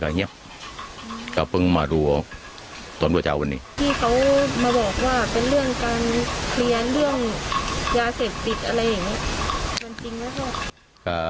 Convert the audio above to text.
การเคลียร์เรื่องยาเสพติดอะไรอย่างนี้มันจริงหรือเปล่า